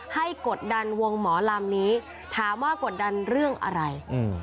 กดดันวงหมอลำนี้ถามว่ากดดันเรื่องอะไร